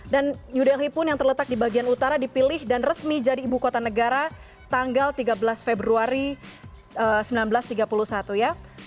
dan new delhi pun yang terletak di bagian utara dipilih dan resmi jadi ibu kota negara tanggal tiga belas februari seribu sembilan ratus tiga puluh satu ya